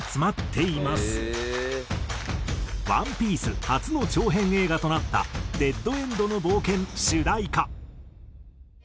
『ＯＮＥＰＩＥＣＥ』初の長編映画となった『デッドエンドの冒険』主題歌。